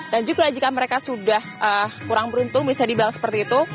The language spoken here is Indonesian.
dan juga jika mereka sudah kurang beruntung bisa dibilang seperti itu